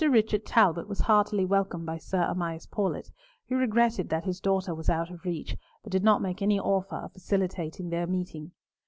Richard Talbot was heartily welcomed by Sir Amias Paulett, who regretted that his daughter was out of reach, but did not make any offer of facilitating their meeting.